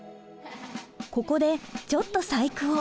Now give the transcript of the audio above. ここでちょっと細工を。